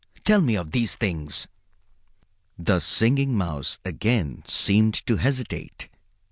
Tell me of these things." The Singing Mouse again seemed to hesitate.